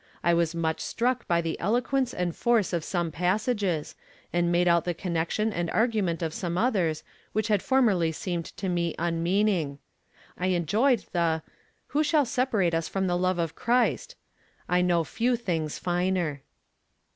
I was much struck by the eloquence and force of some passages, and made out the connection and argument of some others which had formerly seemed to me unmeaning. I enjoyed the "Who shall separate us from the love of Christ?" I know few things finer.'